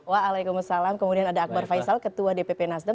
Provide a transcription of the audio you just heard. waalaikumsalam kemudian ada akbar faisal ketua dpp nasdem